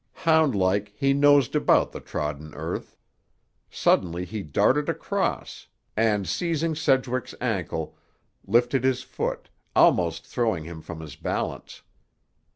Hound like, he nosed about the trodden earth. Suddenly he darted across and, seizing Sedgwick's ankle, lifted his foot, almost throwing him from his balance.